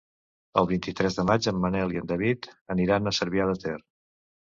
El vint-i-tres de maig en Manel i en David aniran a Cervià de Ter.